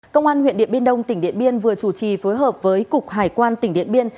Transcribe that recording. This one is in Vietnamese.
công an huyện điện biên đông tỉnh điện biên vừa chủ trì phối hợp với cục hải quan tỉnh điện biên